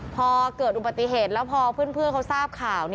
พอเกิดอุบัติเหตุแล้วพอเพื่อนเขาทราบข่าว